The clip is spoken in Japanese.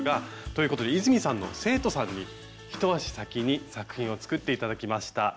ということで泉さんの生徒さんに一足先に作品を作って頂きました。